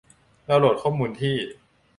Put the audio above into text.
ดาวน์โหลดข้อมูลที่